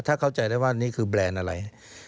ถ้าเข้าใจได้ว่านี่คือแบรนด์อะไร